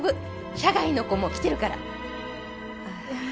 社外の子も来てるから。